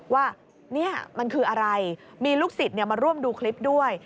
ว่านี่มันคืออะไรมีลูกศิษย์มาร่วมดูคลิปด้วย